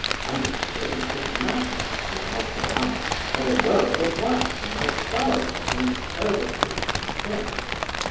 I distributed nothing, an like your honour, but a word of advice to my fellows in servitude and sin.